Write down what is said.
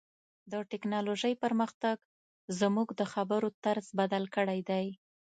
د ټکنالوژۍ پرمختګ زموږ د خبرو طرز بدل کړی دی.